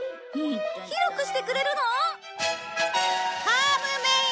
広くしてくれるの？